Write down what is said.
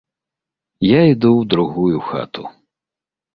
Я іду ў другую хату.